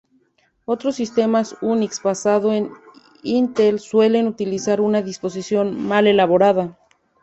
Otros sistemas Unix basados en Intel suelen utilizar una disposición más elaborada.